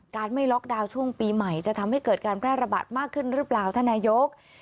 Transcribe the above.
ไม่ล็อกดาวน์ช่วงปีใหม่จะทำให้เกิดการแพร่ระบาดมากขึ้นหรือเปล่าท่านนายก